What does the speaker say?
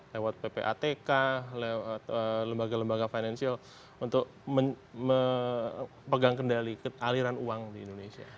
lewat ppatk lewat lembaga lembaga finansial untuk memegang kendali aliran uang di indonesia